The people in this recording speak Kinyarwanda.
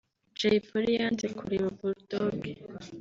Jay Polly yanze kureba Bull Dogg